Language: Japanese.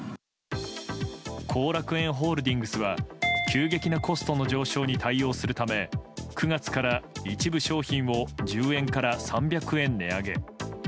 幸楽苑ホールディングスは急激なコストの上昇に対応するため９月から一部商品を１０円から３００円値上げ。